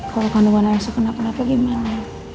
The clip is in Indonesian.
kalau kandungan irsa kena kenapa gimana